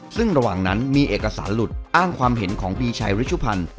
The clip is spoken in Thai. ซึ่งระหว่างนั้นมีเอกสารหลุดอ้างความเห็นของปีชัยริชุพันธ์